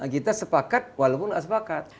kita sepakat walaupun tidak sepakat